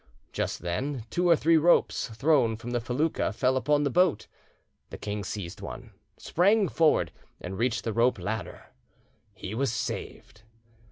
Just then two or three ropes thrown from the felucca fell upon the boat; the king seized one, sprang forward, and reached the rope ladder: he was saved.